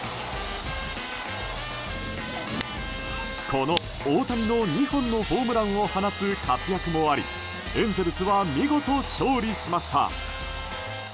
この大谷の２本のホームランを放つ活躍もありエンゼルスは見事勝利しました。